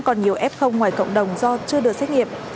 còn nhiều ép không ngoài cộng đồng do chưa được xét nghiệm